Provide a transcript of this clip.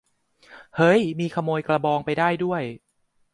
เฮ้ย มีขโมยกระบองไปได้ด้วย !